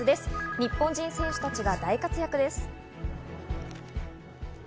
日本人選手たちが大活躍です。